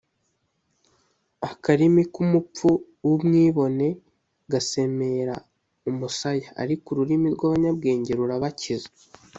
akarimi k’umupfu w’umwibone gasemera umusaya, ariko ururimi rw’abanyabwenge rurabakiza